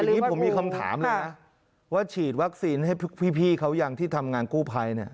อย่างนี้ผมมีคำถามเลยนะว่าฉีดวัคซีนให้พี่เขายังที่ทำงานกู้ภัยเนี่ย